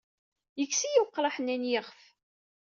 Yekkes-iyi weqraḥ-nni n yiɣef.